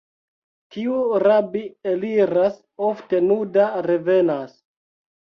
Kiu rabi eliras, ofte nuda revenas.